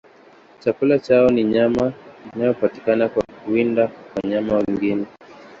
Chakula chao ni nyama inayopatikana kwa kuwinda wanyama wengine.